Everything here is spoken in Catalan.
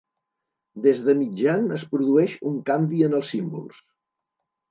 Des de mitjan es produeix un canvi en els símbols.